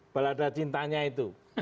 balada cintanya itu